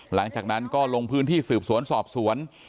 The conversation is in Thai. หลังจากนั้นก็ลงพื้นที่สืบสวนสอบสวน